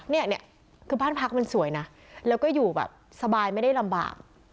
เนี่ยคือบ้านพักมันสวยนะแล้วก็อยู่แบบสบายไม่ได้ลำบาก